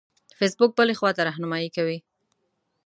فیسبوک بلې خواته رهنمایي کوي.